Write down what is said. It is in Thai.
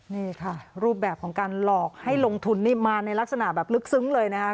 นี่ค่ะรูปแบบของการหลอกให้ลงทุนนี่มาในลักษณะแบบลึกซึ้งเลยนะคะ